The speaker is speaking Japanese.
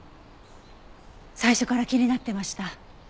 最初から気になってました。